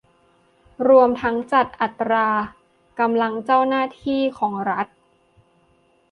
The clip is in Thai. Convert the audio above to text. รวมทั้งจัดอัตรากำลังเจ้าหน้าที่ของรัฐ